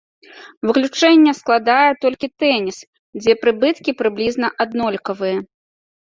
Выключэнне складае толькі тэніс, дзе прыбыткі прыблізна аднолькавыя.